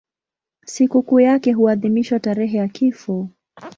Sikukuu yake huadhimishwa tarehe ya kifo.